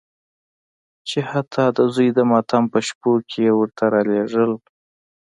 چې حتی د زوی د ماتم په شپو کې یې ورته رالېږل.